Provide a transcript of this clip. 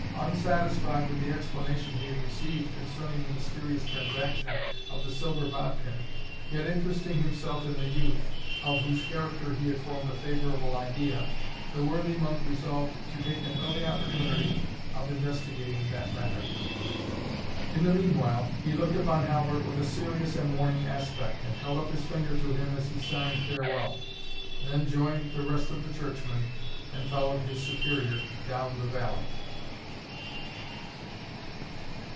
Unsatisfied with the explanation he had received concerning the mysterious transaction of the silver bodkin, yet interesting himself in the youth, of whose character he had formed a favourable idea, the worthy monk resolved to take an early opportunity of investigating that matter. In the meanwhile, he looked upon Halbert with a serious and warning aspect, and held up his finger to him as he signed farewell. He then joined the rest of the churchmen, and followed his Superior down the valley.